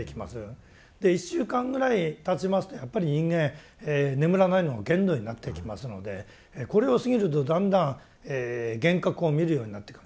で１週間ぐらいたちますとやっぱり人間眠らないのが限度になっていきますのでこれを過ぎるとだんだん幻覚を見るようになってくるんですね。